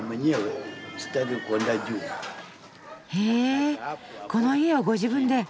へえこの家をご自分で。